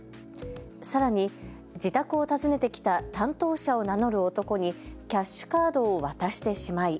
さらに自宅を訪ねてきた担当者を名乗る男にキャッシュカードを渡してしまい。